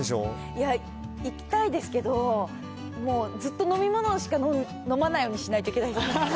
いや、行きたいですけど、もう、ずっと飲み物しか飲まないようにしないといけないじゃないですか